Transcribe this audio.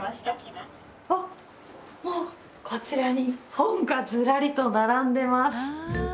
こちらに本がずらりと並んでます。